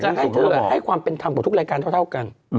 ฉันอยากจะให้ความเป็นธรรมของทุกรายการเท่ากัน